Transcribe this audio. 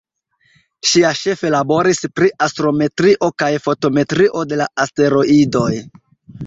Ŝia ĉefe laboris pri astrometrio kaj fotometrio de la asteroidoj.